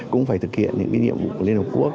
cũng phải thực hiện những nhiệm vụ của liên hợp quốc